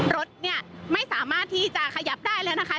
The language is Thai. รถเนี่ยไม่สามารถที่จะขยับได้แล้วนะคะ